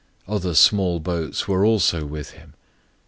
Other small boats were also with him.